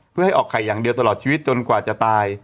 เพื่อให้ออกไข่อย่างเดียวตลอดชีวิตจนกว่าจะตาย